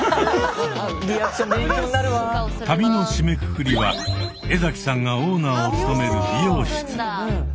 旅の締めくくりはエザキさんがオーナーを務める美容室。